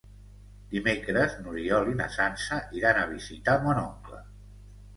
Dimecres n'Oriol i na Sança iran a visitar mon oncle.